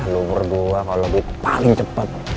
lo berdua kalau lebih paling cepet